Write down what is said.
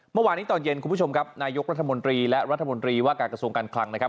เมื่อวานนี้ตอนเย็นคุณผู้ชมครับนายกรัฐมนตรีและรัฐมนตรีว่าการกระทรวงการคลังนะครับ